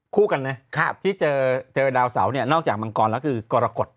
คู่กันนะที่เจอดาวเสาเนี่ยนอกจากมังกรแล้วคือกรกฎ